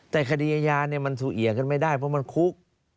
แต่คดีอาญามันสูเอียกันไม่ได้เพราะมันคุก